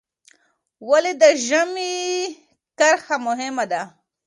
ولې د ژامې کرښه مهمه ده؟